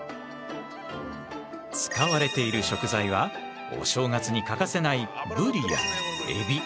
使われている食材はお正月に欠かせないブリやえび。